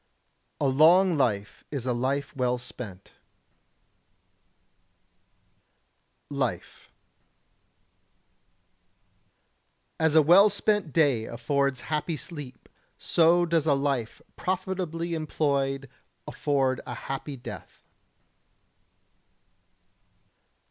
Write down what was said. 99. A long life is a life well spent. [Sidenote: Life] 100. As a well spent day affords happy sleep, so does a life profitably employed afford a happy death.